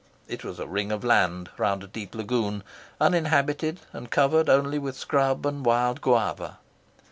It was a ring of land round a deep lagoon, uninhabited, and covered only with scrub and wild guava.